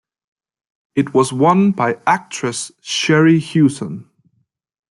It was won by actress Sherrie Hewson.